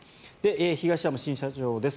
東山新社長です。